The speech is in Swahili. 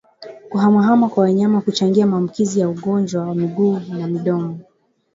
Kuhamahama kwa wanyama huchangia maambukizi ya ugonjwa wa miguu na midomo